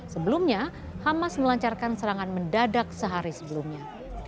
sebelumnya hamas melancarkan serangan mendadak sehari sebelumnya